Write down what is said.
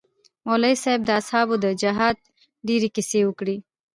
مولوي صاحب د اصحابو د جهاد ډېرې كيسې وكړې.